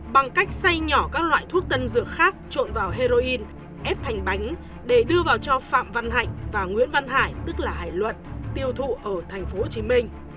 bằng cách xay nhỏ các loại thuốc tân dược khác trộn vào heroin ép thành bánh để đưa vào cho phạm văn hạnh và nguyễn văn hải tức là hải luận tiêu thụ ở tp hcm